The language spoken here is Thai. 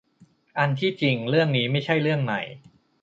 อันที่จริงเรื่องนี้ไม่ใช่เรื่องใหม่